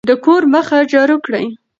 د کور مخه جارو کړئ.